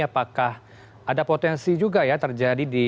apakah ada potensi juga ya terjadi di